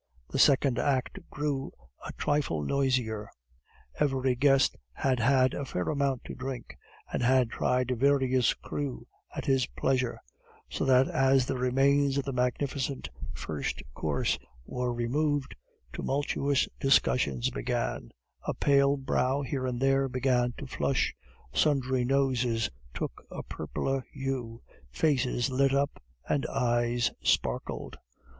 The second act grew a trifle noisier. Every guest had had a fair amount to drink, and had tried various crus at this pleasure, so that as the remains of the magnificent first course were removed, tumultuous discussions began; a pale brow here and there began to flush, sundry noses took a purpler hue, faces lit up, and eyes sparkled.